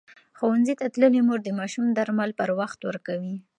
ښوونځې تللې مور د ماشوم درمل پر وخت ورکوي.